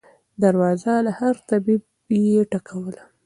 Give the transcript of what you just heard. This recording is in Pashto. دروازه د هر طبیب یې ټکوله